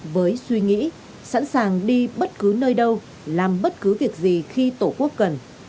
với suy nghĩ sẵn sàng đi bất cứ nơi đâu làm bất cứ việc gì khi tổ quốc cần